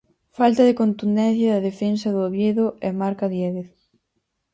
Falta de contundencia da defensa do Oviedo e marca Diéguez.